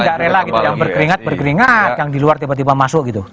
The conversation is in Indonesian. jadi enggak rela gitu yang berkeringat berkeringat yang di luar tiba tiba masuk gitu